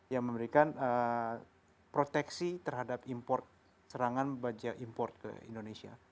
yang memberikan proteksi terhadap import serangan baja import ke indonesia